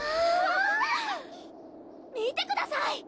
見てください！